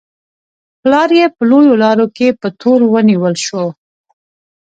پلار یې په لویو لارو کې په تور ونیول شو.